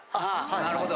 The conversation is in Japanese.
なるほど。